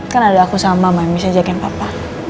kan ada aku sama mami saya jagain papa